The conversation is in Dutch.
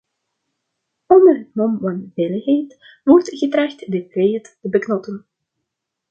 Onder het mom van veiligheid wordt getracht de vrijheid te beknotten.